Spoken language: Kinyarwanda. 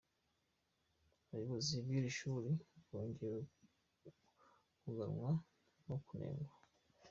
Abayobozi b’iri shuri bongewe kugawa no kunengwa .